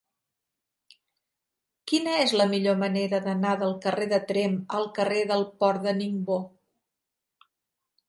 Quina és la millor manera d'anar del carrer de Tremp al carrer del Port de Ningbo?